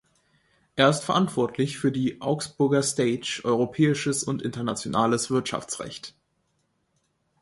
Er ist verantwortlich für die "Augsburger Stage Europäisches und Internationales Wirtschaftsrecht".